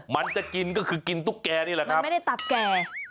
มันจะกินก็คือกินตุ๊กแก่นี่แหละครับมันไม่ได้ตับแก่